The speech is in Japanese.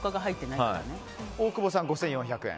大久保さん、５４００円。